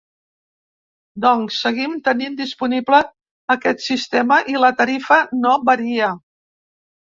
Doncs seguim tenint disponible aquest sistema i la tarifa no varia.